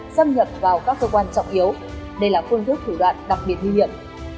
xâm nhập vào các cơ quan trọng yếu đây là phương thức thủ đoạn đặc biệt nguy hiểm